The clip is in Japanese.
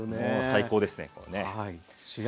もう最高ですね。